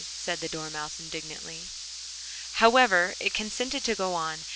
said the Dormouse, indignantly. However it consented to go on.